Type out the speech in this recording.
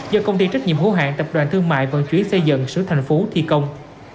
do công ty trách nhiệm hữu hạn tập đoàn thương mại và chuyến xây dựng sứ thành phố thi công